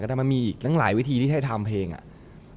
ก็ได้มามีอีกแล้วหลายวิธีที่ให้ทำเพลงอะ